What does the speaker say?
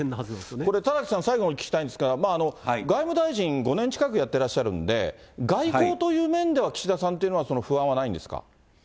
これ田崎さん、最後にお聞きしたいんですが、外務大臣を５年近くやってらっしゃるんで、外交という面では岸田さんというのは不安はないんですか